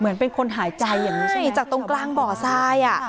เหมือนเป็นคนหายใจอย่างนี้ใช่ไหมจากตรงกลางบ่อทรายอ่ะ